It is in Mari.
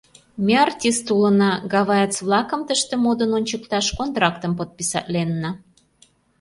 — Ме артист улына, гаваец-влакым тыште модын ончыкташ контрактым подписатленна.